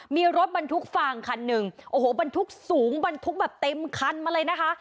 มีรถบรรทุกฟางคันหนึ่งโอ้โหบรรทุกสูงบรรทุกแบบเต็มคันมาเลยนะคะ